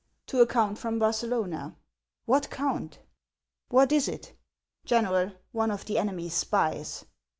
" "To a count from Barcelona." "What count ?" "What is it?" " General, one of the enemy's spies."